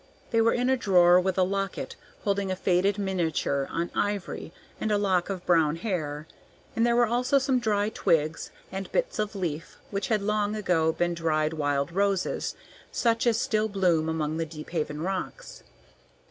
They were in a drawer with a locket holding a faded miniature on ivory and a lock of brown hair, and there were also some dry twigs and bits of leaf which had long ago been bright wild roses, such as still bloom among the Deephaven rocks.